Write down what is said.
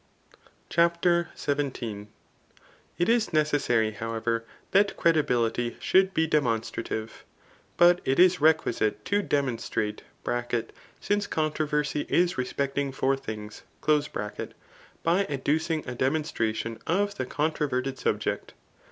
] CHAPTER IVII. It is necessary, however, that credibility should be demonstrative. But it is requisite to demonstrate (siace controversy is respecting four things) by adducing a demonstration of the controverted subject.